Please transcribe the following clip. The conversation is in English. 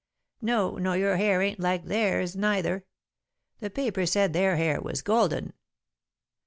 "No, nor your hair ain't like theirs neither. The paper said their hair was golden."